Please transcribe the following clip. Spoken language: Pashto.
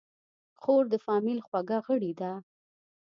خور د فامیل خوږه غړي ده.